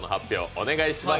お願いします。